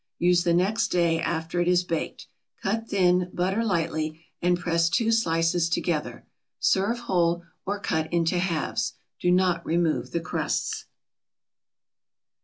Use the next day after it is baked. Cut thin, butter lightly, and press two slices together. Serve whole, or cut into halves. Do not remove the crusts.